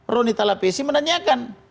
roni talapesi menanyakan